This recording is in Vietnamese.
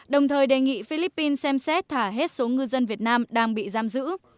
đồng thời đề nghị philippines xem xét thả hết số ngư dân việt nam đang bị giam giữ